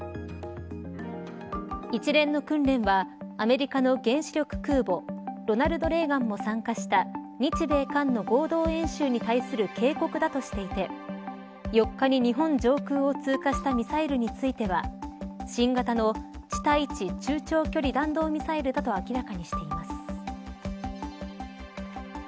一連の訓練はアメリカの原子力空母ロナルド・レーガンも参加した日米韓の合同演習に対する警告だとしていて４日に日本上空を通過したミサイルについては新型の地対地中長距離弾道ミサイルだと明らかにしています。